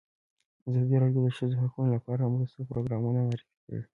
ازادي راډیو د د ښځو حقونه لپاره د مرستو پروګرامونه معرفي کړي.